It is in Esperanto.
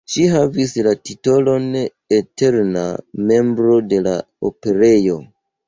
Ŝi havis la titolon eterna membro de la Operejo.